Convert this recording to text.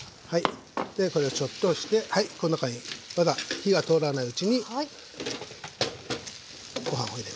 でこれをちょっとしてはいこの中にまだ火が通らないうちにご飯を入れます。